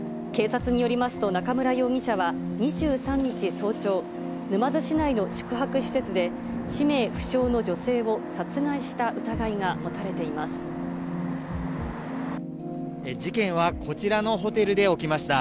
警察によりますと、中村容疑者は、２３日早朝、沼津市内の宿泊施設で、氏名不詳の女性を殺害した疑事件はこちらのホテルで起きました。